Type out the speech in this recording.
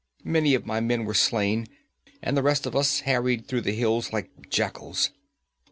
Many of my men were slain, and the rest of us harried through the hills like jackals.